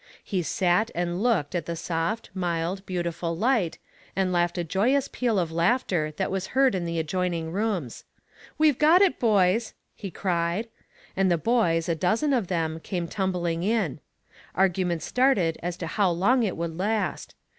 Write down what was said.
He sat and looked at the soft, mild, beautiful light and laughed a joyous peal of laughter that was heard in the adjoining rooms. "We've got it, boys!" he cried, and the boys, a dozen of them, came tumbling in. Arguments started as to how long it would last.